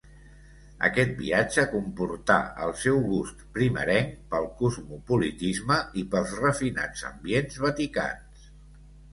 Aquest viatge comportà el seu gust primerenc pel cosmopolitisme i pels refinats ambients vaticans.